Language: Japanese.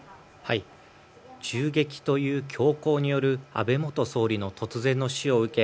銃撃という凶行による安倍元総理の突然の死を受け